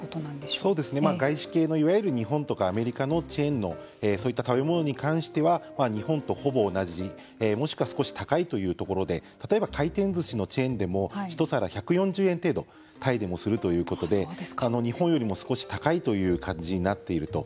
外資系のいわゆる日本とかアメリカのチェーンのそういった食べ物に関しては日本とほぼ同じもしくは少し高いというところで例えば回転ずしのチェーンでも１皿１４０円程度タイでもするということで日本よりも少し高いという感じになっていると。